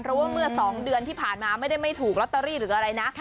เพราะว่าเมื่อ๒เดือนที่ผ่านมาไม่ได้ไม่ถูกลอตเตอรี่หรืออะไรนะ